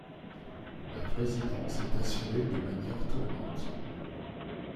La présidence est assurée de manière tournante.